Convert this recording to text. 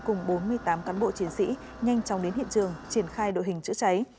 cùng bốn mươi tám cán bộ chiến sĩ nhanh chóng đến hiện trường triển khai đội hình chữa cháy